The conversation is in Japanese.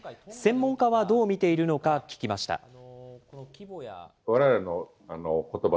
専門家はどう見ているのか聞きました。